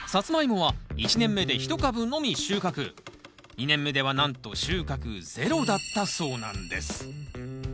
２年目ではなんと収穫ゼロだったそうなんです。